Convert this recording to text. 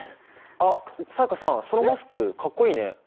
あっ才加さんそのマスクかっこいいね。